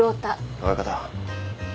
親方。